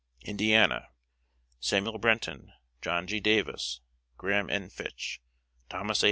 Indiana: Samuel Brenton, John G. Davis, Graham N. Fitch, Thomas A.